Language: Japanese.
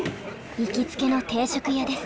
行きつけの定食屋です。